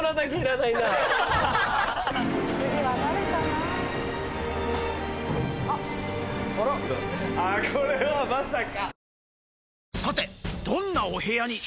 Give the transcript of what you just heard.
あぁこれはまさか。